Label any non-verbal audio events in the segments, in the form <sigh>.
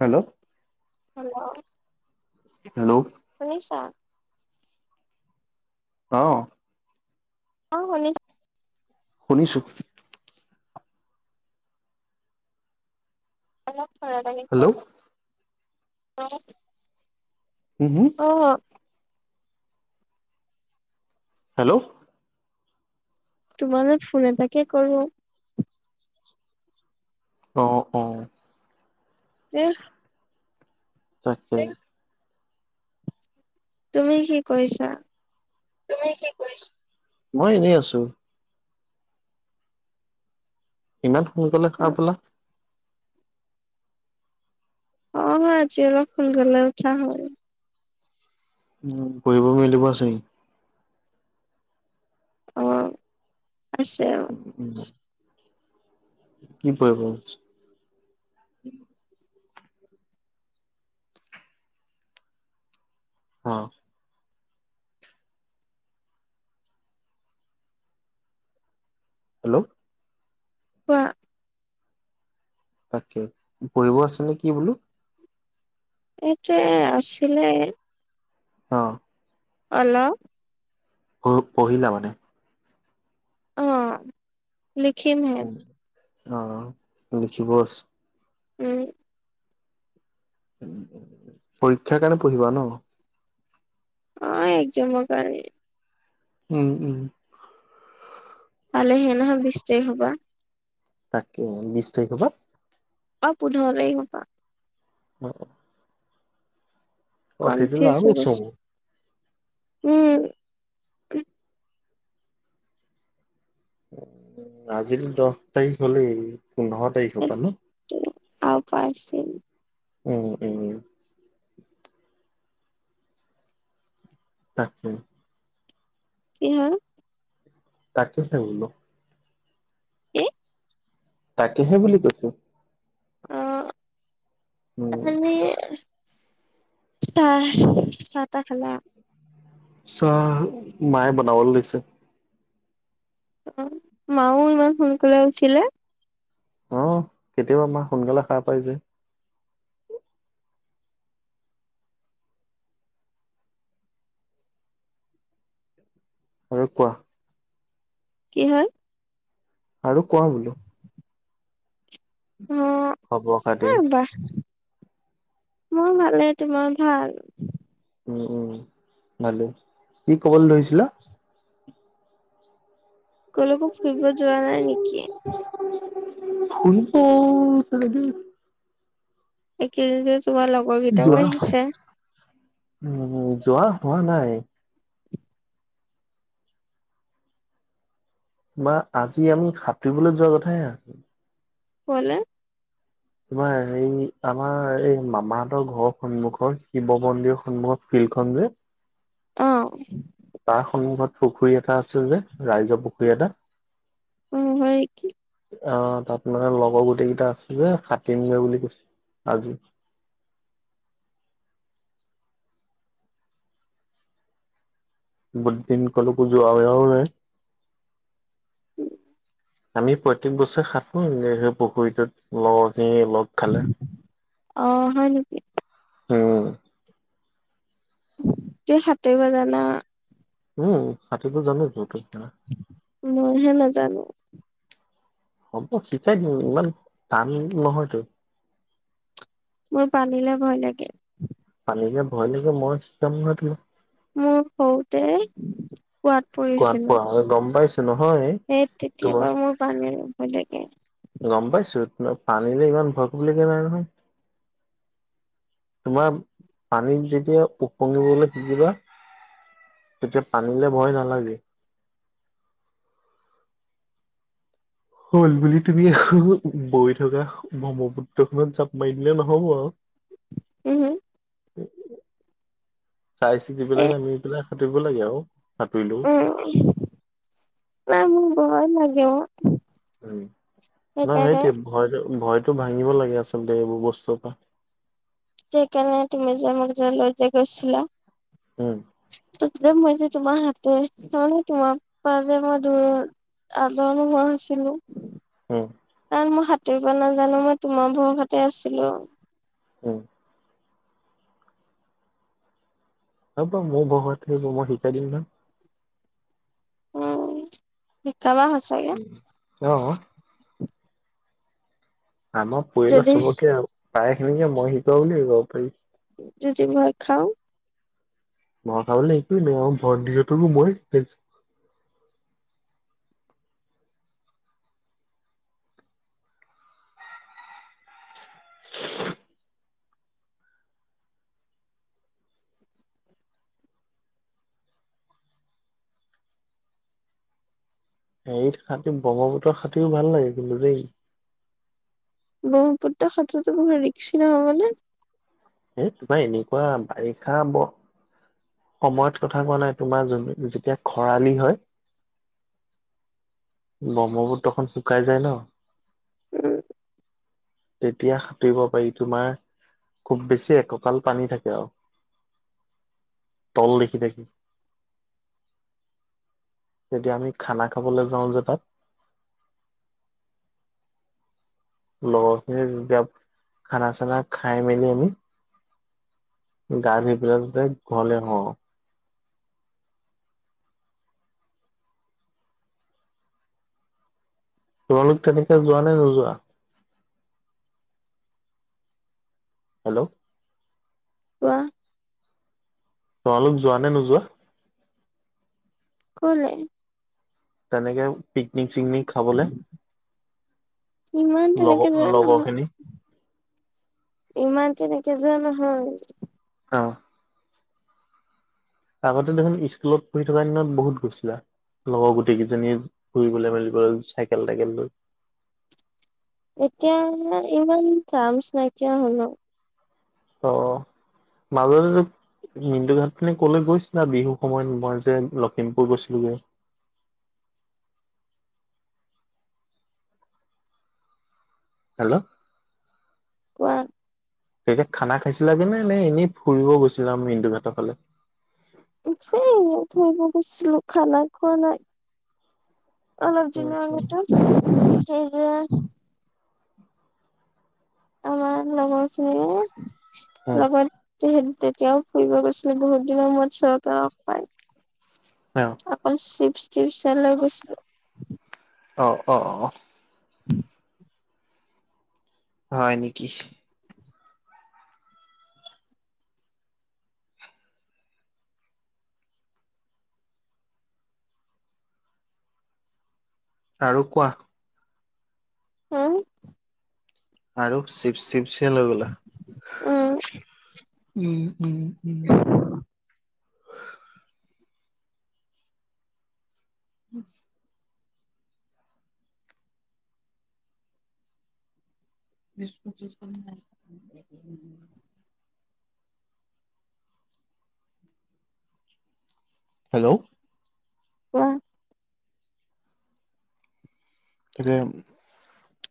Hello hello hello শুনিছা অ অ শুনি শুনিছো অলপ খৰা দাহি হেল্ল' কৰো <unintelligible> উম উম অ হেল্ল। তোমালে ফোন এটাকে কৰো। অ, অ। উ <unintelligible> তাকে। তুমি কি কৰিছা? মই এনেই আছোঁ। ইমান সোনকালে সাৰ পালা? অ', হয় আজি অলপ সোন কালে উঠা হল। উম, পঢ়িব মেলিব আছে নেকি? অ', আছে। অ উম। কি কৰিব আছে? অ'। হেল্ল'? কোৱা? তাকে, পঢ়িব আছে নে কি বোলোঁ? এইটোৱে আছিলে। অ'। হেল্লো'? প- পঢ়িলা মানে? অ', লিখিম হে। উম অ', লিখিব আছে? উম। পৰীক্ষা কাৰণে পঢ়িবা ন? অ', একজামৰ কাৰণে। উম-উম। পালেহিয়েই নহয় বিছ তাৰিখৰ পৰা। তাকে, বিচ তাৰিখৰ পৰা? অ', পোন্ধৰ তাৰিখৰপৰা। অ', অ'। তেতিয়াহ'লে ৰেফ্ৰেশ আৰু হৈ গৈছে, চাব উম। উম, আজিটো দহ তাৰিখ হলেই, পোন্ধৰ তাৰিখৰ পৰা ন? আৰু পাঁচদিন। উম উম তাকে। কি হা? তাকে হে বোলোঁ। কি? তাকেহে বুলি কৈছোঁ। উম আমি চা-তা খালা? চাহ, মায়ে বনাবলে লৈছে। অ', মাও ইমান সোনকালে উঠিলে? অ কেতিয়াবা মা সোনকালে সা পাই যে। আৰু কোৱা? কি হল? আৰু কোৱা বোলোঁ। অ খবৰ এ খাতি বাহ মোৰ ভালে, তোমাৰ ভাল? উম উম ভালে, কি ক'বলৈ ধৰিছিলা? কলৈকো ফুৰিব যোৱা নাই নেকি <unintelligible> ফোনটো এতিয়া লগে এ কেদিন যে তোমাৰ লগ যোৱা, উম যোৱা হোৱা নাই। বা আজি আমি সাতুৰিবলৈ যোৱা কথাহে আ। কলে? তোমাৰ হেৰি আমাৰ এই মামাহতৰ ঘৰৰ সন্মুখৰ শিৱ মন্দিৰ সন্মুখৰ ফিল্ডখন যে। অ। তাৰ সন্মুখত পুখুৰী এটা আছে যে ৰাইজৰ পুখুৰী এটা। উম হয় কি অ তাত মানে লগৰ গোটেইকেইটা আছে যে কাটিমে বুলি কৈছে আজি। বহুত দিন কলৈকো যোৱাও নাই। আমি প্ৰত্যেক বছৰে সাতো সেই পুখুৰীটোত লগৰখিনি অলপ অ হয় নেকি? উম। যে হাতে বজানা। উম সাতোৰিব জামে ত পিদ্ধ। মইহে নাজানো। হ'ব, শিকাই দিম ইমান টান নহয়তো। মোৰ পানীলে ভয় লাগে। পানীলে ভয় লাগে, মই শিকাম নহয় তোমাক। মোৰ সৰুতে কোৱাত কোৱাত পৰিছিলো। পৰা গম পাইছো নহয় সেই তেতিয়া তোমাৰ বাৰু মোৰ পানী ভয় লাগে। গম পাইছো, তোৰ পানীলে ইমান ভয় কৰিবলগীয়া নাই নহয়। তোমাৰ পানীত যেতিয়া উপঙিবলৈ শিকিবা তেতিয়া পানীলে ভয় নালাগে। হল বুলি তুমি বৈ থকা ব্ৰহ্মপুত্ৰ খনত জাপ মাৰি দিলে নহব আৰু। উম। উ <inaudible> চাই - চিতি এ পেলাই নামি পেলাই সাঁতুৰিব লাগে আৰু সাঁতুৰিলেও। অ। নাই মোক ভয় লাগে অ। উম নাই সেইকাৰণে সেইটো ভয়টো - ভয়টো ভাঙিব লাগে আচলতে এইবোৰ বস্তুৰ পৰা। সেইকাৰণে তুমি যে মোক যে লৈ যে গৈছিলা। উম। তাত যে মই যে তোমাৰ হাতে ত তোমাৰ পা যে মই যে দূৰত আদৰ নোহোৱা হৈছিলো। উম। কাৰন মই সাতৰিব নাজানো মই তোমাৰ ভৰষাতে আছিলো। উম। অ ব মই বগত থ মই শিকাই দিম নহয়? উম। শিকাবা সঁচাকে অ। আমাৰ পৰিয়ালৰ যদি চবকে আৰু প্ৰায়খিনিকে মই শিকোৱা বুলিয়ে কব পাৰি। যদি ভয় খাওঁ? ভয় খাবলৈ একুৱে নাই ভন্টিহঁতকো মই শিকাইছোঁ। হেৰি সান্তি ব্ৰহ্মপুত্ৰৰ সাতোৰিও ভাল লাগে কিন্তু দেই। ব্ৰহ্মপুত্ৰ সাতৰটো বহুত ৰিক্স নহবনে? এ তোমাৰ এনেকুৱা বাৰিষা ব সময়ত কথা কোৱা নাই, তোমাৰ যোন যেতিয়া খৰালি হয়, ব্ৰহ্মপুত্ৰ খন শুকাই যায় ন। উম তেতিয়া সাঁতুিব পাৰি তোমাৰ খুব বেছি একঁকাল পানী থাকে আও। তল দেখি থাকি। যেতিয়া আমি খানা খাবলৈ যাওঁ যে তাত। লগৰ খিনি যেতিয়া খানা চানা খাই মেলি আমি গা ধুই পেলাই ঘৰলে আহো। তোমালোক তেনেকে যোৱা নে নোযোৱা? হেল্ল'। কোৱা। তোমালোক যোৱা নে নোযোৱা? কলে? তেনেকে পিকনিক চিকনিক খাবলে, ইমান তেনেকে লগৰ যোৱা নহয় লগৰখিনি ইমান তেনেকে যোৱা নহয়। অ আগতে দেখোন স্কুলত পঢ়ি থকা দিনত বহুত গৈছিলা। লগৰ গোটেই কেইজনী ফুৰিবলৈ মেলিব চাইকেল তাইকেল লৈ। এতিয়া ইমান থামছ্ নাইকিয়া হ'লও। অ মাজুলী দ্বীপ মিন্দু ঘাট পিনে কলৈ গৈছিলা বিহুৰ সময়ত মই যে লখিমপুৰ গৈছিলোগে। হেল্ল'। কোৱা। তেখেত খানা খাইছিলাগে নে নে এনেই ফুৰিব গৈছিলে আমি মিন্দু ঘাটৰ ফালে। এফেই এয়া থইব গৈছিলো খানাই খোৱা নাই। অলপ দিনৰ আগতো সেই যে। আমাৰ লগৰখিনিয়ে উম লগত। তেহেত তেতিয়াও ফুৰিব গৈছিলে বহুত দিনৰ মূৰত চতাও লগ পায়। হয় অ অকল চিপ টিপ হে লৈ গৈছিলো। অ, অ, অ, অ। <unintelligible> হয়, নেকি। আৰু কোৱা। হুম। আৰু চিব‌ চিব হে লৈ গলা। উ'ম। উ'ম, উ'ম, উ'ম। উম বিচকোত চিচকোত নাই আমি একোৱে নিয়া নাই হেল্ল'। কোৱা। তাকে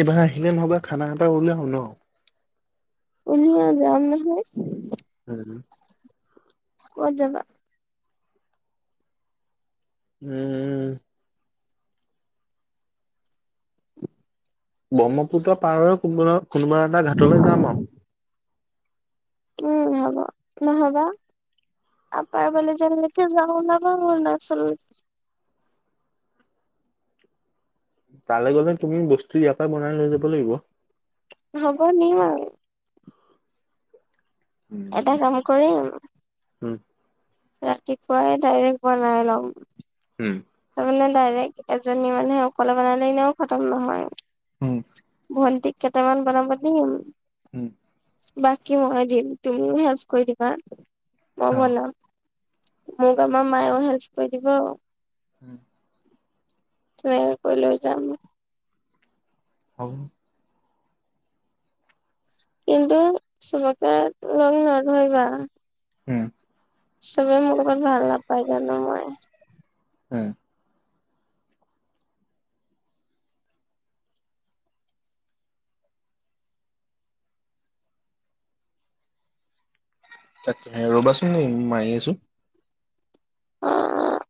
এইবাৰ আহিলে নহবা খানা এটা উলিয়াও ন। উলিয়া যাম নহয়। উ'ম। ক'ত যাবা? উ'ম। ব্ৰহ্মপুত্ৰ পাৰৰ কোনোব কোনোবা এটা ঘাটলৈ যাম আও। উম, হ'ব নহবা। আব্বাই বোলে যেনকে ওলাবা- ওলাবা <unintelligible> তালে গলে তুমি বস্তু ইয়াৰ পৰা বনাই লৈ যাব লাগিব। হ'ব নিম আৰু। এটা উম, কাম কৰিম হম। ৰাতিপুৱাই ডাইৰেক্ট বনাই ল'ম তাৰমানে ডাইৰেক্ট এজনী মানুহে অকলে বনালে এনেও খতম নহয়। উম ভণ্টিক কেটামান বনাব দিম। হম, বাকী মই দিম তুমিও হেল্প কৰি দিবা মই অ বনাম। মোৰ কামত মায় আৰু হেল্প কৰিব দিব। <unintelligible> তেনেকে কৰি লৈ যাম মই। <unintelligible> কিন্তু চবকে লগ নধৰিবা। উম, চবে মোক ভাল <unintelligible> নাপায় জানো মই। উম, তাক ৰবাচোন নেই মাৰি আছো। অ', অ',